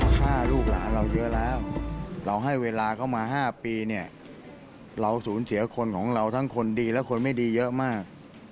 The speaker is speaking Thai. ฆ่าลูกหลานเราเยอะแล้วเราให้เวลาเขามา๕ปีเนี่ยเราสูญเสียคนของเราทั้งคนดีและคนไม่ดีเยอะมาก